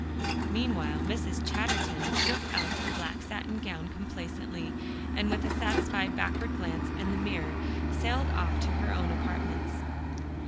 Meanwhile Mrs. Chatterton shook out her black satin gown complacently, and with a satisfied backward glance at the mirror, sailed off to her own apartments.